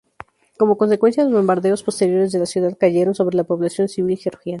Como consecuencia, los bombardeos posteriores de la ciudad cayeron sobre la población civil georgiana.